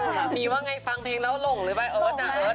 สภานีว่าเงี้ยฟังเพลงแล้วหลงหรือเปล่าอิสอละอิสอละ